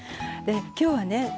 きょうはね